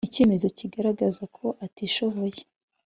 icyemezo kigaragaza ko atishoboye